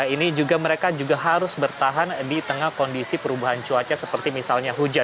ini juga mereka juga harus bertahan di tengah kondisi perubahan cuaca seperti misalnya hujan